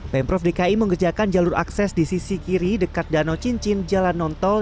pemprov dki mengerjakan jalur akses di sisi kiri dekat danau cincin jalan non tol